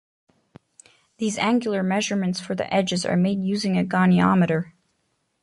These angular measurements for the edges are made using a goniometer.